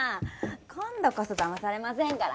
今度こそだまされませんからね。